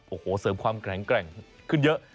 โอ้โหเสริมความแข็งแกร่งขึ้นเยอะ